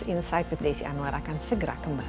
insight with desi anwar akan segera kembali